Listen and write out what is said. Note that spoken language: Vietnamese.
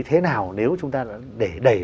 thế nào nếu chúng ta để đẩy